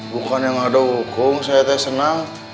bukan yang ada hukum saya senang